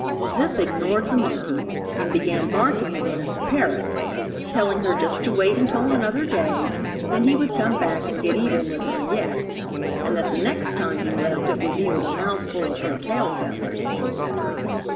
Zip ignored the monkey and began barking again at the parrot, telling her just to wait until another day, that he would come back and get even with her yet, and that the next time he left it would be with a mouthful of her tail feathers.